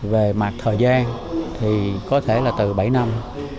về mặt thời gian thì có thể là từ bảy năm